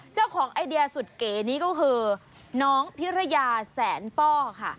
เจ้าของไอเดียสุดเก๋นี่ก็คือน้องพิรยาแสนป้อค่ะ